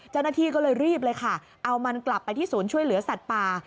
เจ้าหน้าที่ก็เลยรีบเลยค่ะเอามันกลับไปที่ศูนย์ช่วยเหลือสัตว์ป่า